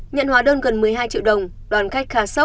nhận hóa đơn gần một mươi hai triệu đồng đoàn khách khá sốc